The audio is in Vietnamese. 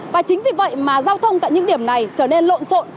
và chính vì vậy mà giao thông tại những điểm này trở nên lộn xộn